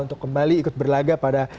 untuk kembali ikut berlaga pada